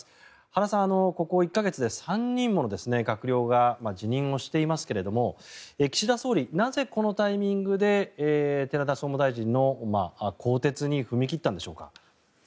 原さん、ここ１か月で３人もの閣僚が辞任をしていますけれども岸田総理、なぜこのタイミングで寺田総務大臣の更迭に踏み切ったんでしょうか。